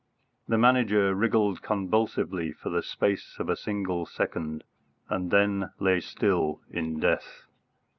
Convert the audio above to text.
The Manager wriggled convulsively for the space of a single second, and then lay still in death.